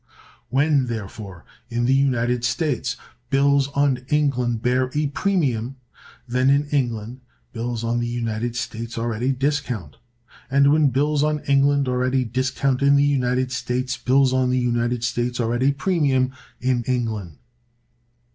When, therefore, in the United States, bills on England bear a premium, then, in England, bills on the United States are at a discount; and, when bills on England are at a discount in the United States, bills on the United States are at a premium in England.